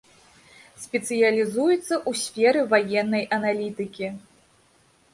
Спецыялізуецца ў сферы ваеннай аналітыкі.